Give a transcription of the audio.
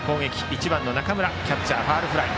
１番の中村はキャッチャーファウルフライ。